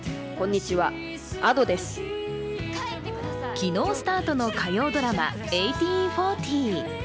昨日スタートの火曜ドラマ「１８／４０」。